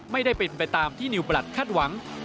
ไม่ได้เป็นไปตามที่นิวประหลัดคาดหวัง